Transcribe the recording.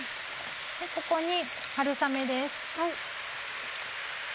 ここに春雨です。